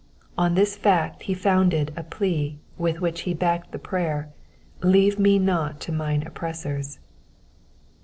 On this fact he founded a plea with which he backed the prayer — ''''Leave me not to mine oppressors.'